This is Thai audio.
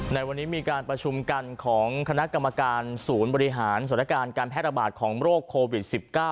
ในวันนี้มีการประชุมกันของคณะกรรมการศูนย์บริหารสถานการณ์การแพร่ระบาดของโรคโควิด๑๙